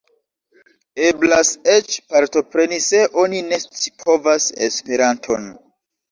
Eblas eĉ partopreni se oni ne scipovas Esperanton.